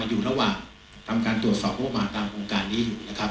ยังอยู่ระหว่างทำการตรวจสอบงบวงมาลตามโครงการนี้